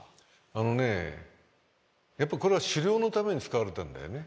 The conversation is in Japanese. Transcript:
あのねやっぱこれは狩猟のために使われたんだよね。